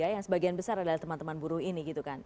yang sebagian besar adalah teman teman buruh ini gitu kan